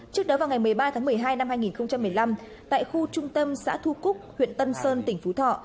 trước đó vào ngày một mươi ba tháng một mươi hai năm hai nghìn một mươi năm tại khu trung tâm xã thu cúc huyện tân sơn tỉnh phú thọ